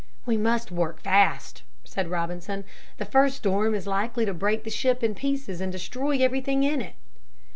"We must work fast," said Robinson. "The first storm is likely to break the ship in pieces and destroy everything in it."